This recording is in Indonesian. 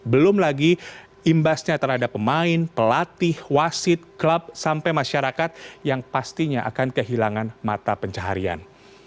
belum lagi imbasnya terhadap pemain pelatih wasit klub sampai masyarakat yang pastinya akan kehilangan mata pencaharian